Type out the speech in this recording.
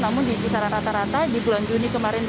namun di kisaran rata rata di bulan juni kemarin dua ribu dua puluh